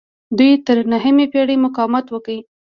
دوی تر نهمې پیړۍ مقاومت وکړ